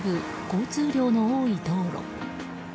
交通量の多い道路。